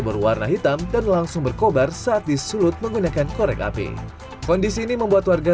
berwarna hitam dan langsung berkobar saat disulut menggunakan korek api kondisi ini membuat warga